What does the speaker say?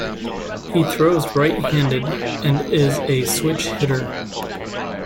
He throws right-handed and is a switch-hitter.